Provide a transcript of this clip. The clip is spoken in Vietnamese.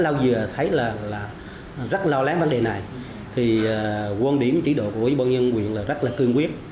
lâu giờ thấy là rất lo lắng vấn đề này thì quân điểm chỉ độ của ubnd huyện là rất là cương quyết